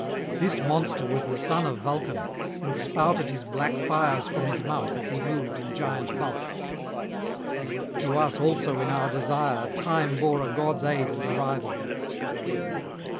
This monster was the son of Vulcan, and spouted his black fires from his mouth as he moved in giant bulk. To us also in our desire time bore a god's aid and arrival.